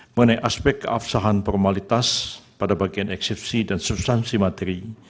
mengenai aspek keabsahan formalitas pada bagian eksepsi dan substansi materi